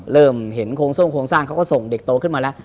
เริ่มเห็นโครงสร้างโครงสร้างเขาก็ส่งเด็กโตขึ้นมาแล้ว